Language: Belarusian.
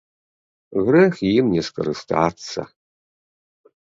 Грэх ім не скарыстацца.